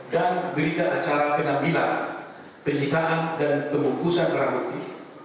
dan berita acara penampilan penyitaan dan pembungkusan perangkuti